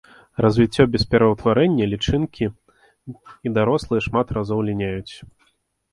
Развіццё без пераўтварэння, лічынкі і дарослыя шмат разоў ліняюць.